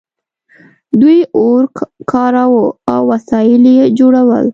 دوی اور کاراوه او وسایل یې جوړول.